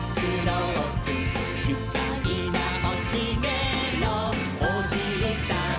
「ゆかいなおひげのおじいさん」